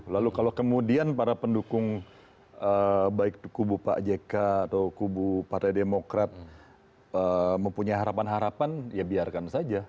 lalu kalau kemudian para pendukung baik kubu pak jk atau kubu partai demokrat mempunyai harapan harapan ya biarkan saja